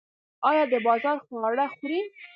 ایا د بازار خواړه خورئ؟